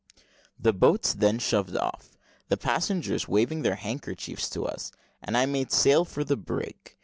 The boats then shoved off, the passengers waving their handkerchiefs to us, and I made sail for the brig.